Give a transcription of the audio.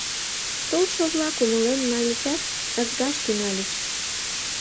Толшо-влак умылен нальычат, ызгаш тӱҥальыч.